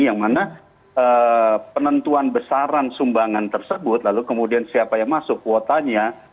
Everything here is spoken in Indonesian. yang mana penentuan besaran sumbangan tersebut lalu kemudian siapa yang masuk kuotanya